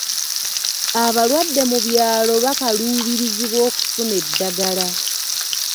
Abalwadde mu byalo bakaluubirizibwa okufuna eddagala.